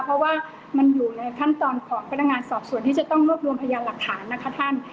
เพราะว่ามันอยู่ในขั้นตอนของพนักงานสอบส่วนที่จะต้องรวบรวมพยานหลักฐานนะคะท่าน